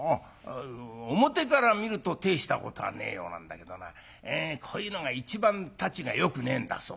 「外から見ると大したことはねえようなんだけどなこういうのが一番たちがよくねえんだそうだ」。